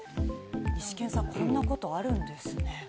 イシケンさん、こんなことあるんですね。